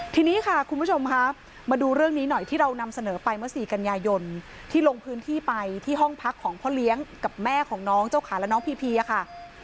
ทีนี้ค่ะคุณผู้ชมค่ะมาดูเรื่องนี้หน่อยที่เรานำเสนอไปเมื่อ๔กันยายนที่ลงพื้นที่ไปที่ห้องพักของพ่อเลี้ยงกับแม่ของน้องเจ้าขาและน้องพีพีอะค่ะ